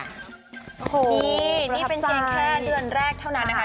นี่นี่เป็นเพียงแค่เดือนแรกเท่านั้นนะคะ